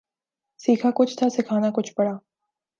سیکھا کچھ تھا سکھانا کچھ پڑا